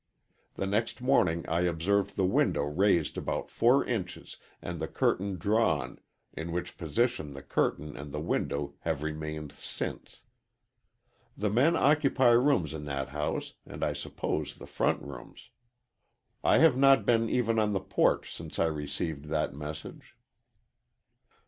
The next morning I observed the window raised about four inches and the curtain drawn, in which position the curtain and the window have remained since. The men occupy rooms in that house and I suppose the front rooms. I have not been even on the porch since I received that message."